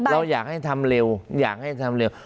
เราอยากให้ทำเร็วอยากให้ทำเร็ว